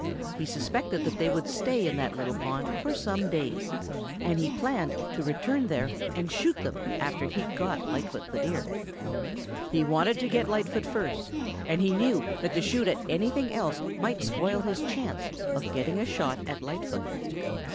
He suspected that they would stay in that little pond for some days, and he planned to return there and shoot them after he had got Lightfoot the Deer. He wanted to get Lightfoot first, and he knew that to shoot at anything else might spoil his chance of getting a shot at Lightfoot.